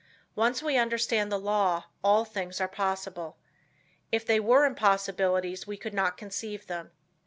Once we understand the law, all things are possible. If they were impossibilities we could not conceive them.